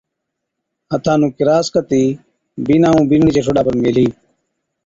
ھٿان نُون ڪِراس ڪتِي بِينڏا بِينڏڙِي چي ٺوڏا پر ميلھِي